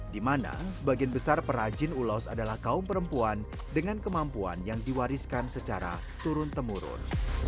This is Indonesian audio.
di mana sebagian besar perajin ulos adalah kaum perempuan dengan kemampuan yang diwariskan secara turun temurun